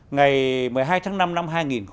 ngày một mươi hai tháng năm năm hai nghìn một mươi bốn